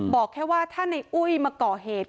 บอกแค่ว่าถ้าในอุ้ยมาก่อเหตุ